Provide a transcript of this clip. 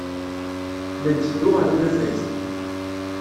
La netteddu ɣer unafag.